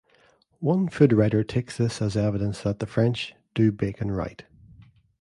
One food writer takes this as evidence that the French "do bacon right".